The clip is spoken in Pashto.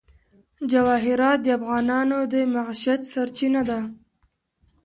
جواهرات د افغانانو د معیشت سرچینه ده.